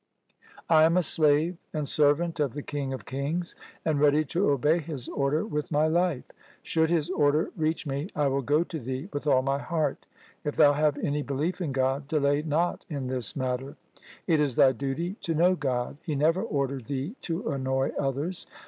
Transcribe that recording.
' I am a slave and servant of the King of kings, and ready to obey His order with my life. Should His order reach me, I will go to thee with all my heart. If thou have any belief in God, delay not in this matter. It is thy duty to know God. He never ordered thee to annoy others.